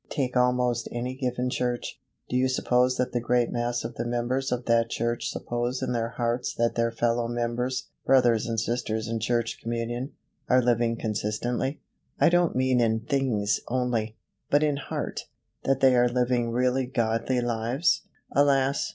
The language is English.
Take almost any given church. Do you suppose that the great mass of the members of that church suppose in their hearts that their fellow members, brothers and sisters in church communion, are living consistently I don't mean in things only, but in heart that they are living really godly lives? Alas!